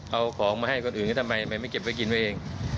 เอาของมาให้คนอื่นก็ทำไมไม่เก็บไว้กินไว้เอง